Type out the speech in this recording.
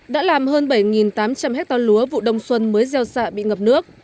đã làm hơn bảy tám trăm linh hectare lúa vụ đông xuân mới gieo xạ bị ngập nước